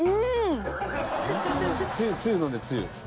つゆ飲んでつゆ。